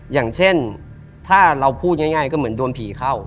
อย่างเช่นถ้าเราพูดง่ายก็เหมือนโดนผีเข้า